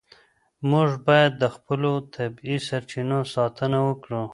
موږ باید د خپلو طبیعي سرچینو ساتنه وکړو.